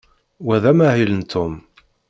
Wa d amahil n Tom.